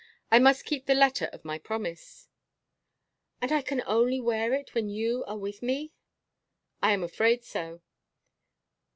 I must keep the letter of my promise." "And I can only wear it when you are with me?" "I am afraid so."